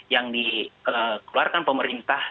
yang dikeluarkan pemerintah